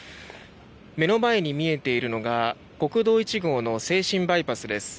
目の前に見えているのが国道１号の静清バイパスです。